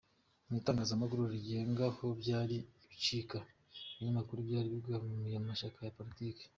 Mu itangazamakuru ryigenga ho byari ibicika ; ibinyamakuru byari bibogamiye ku mashyaka ya politiki.